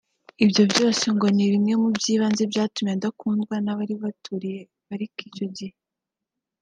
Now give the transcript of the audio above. Ibyo byose ngo ni bimwe mu by’ibanze byatumye adakundwa n’abari baturiye parike icyo gihe